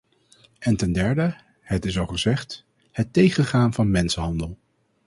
En ten derde - het is al gezegd - het tegengaan van mensenhandel.